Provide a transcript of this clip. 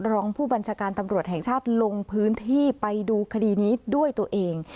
รองผู้บัญชาการตำรวจแห่งชาติลงพื้นที่ไปดูคดีนี้ด้วยตัวเอง